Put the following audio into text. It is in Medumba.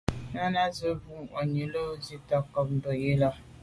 Náná à’sə̌’ mbu’ŋwà’nǐ á lǒ’ nzi’tə ncob Mə̀dʉ̂mbὰ yi lα.